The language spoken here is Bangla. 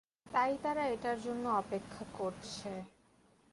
তাই তারা এটার জন্যে অপেক্ষা করছে।